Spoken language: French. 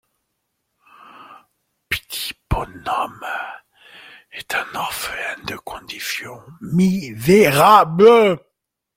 P'tit-Bonhomme est un orphelin de condition misérable.